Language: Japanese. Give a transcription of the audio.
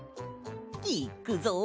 いっくぞ！